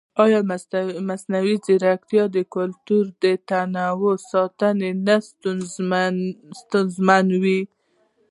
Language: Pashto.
ایا مصنوعي ځیرکتیا د کلتوري تنوع ساتنه نه ستونزمنوي؟